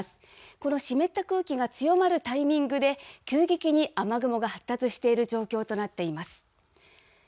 この湿った空気が強まるタイミングで、急激に雨雲が発達している状況となっています。